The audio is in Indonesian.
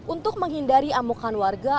untuk menghindari amukan warga